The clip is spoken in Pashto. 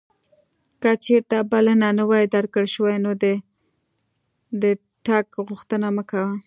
که چیرته بلنه نه وې درکړل شوې نو د تګ غوښتنه مه کوه.